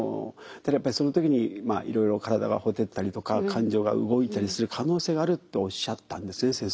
ただやっぱりその時にいろいろ体がほてったりとか感情が動いたりする可能性があるとおっしゃったんですよね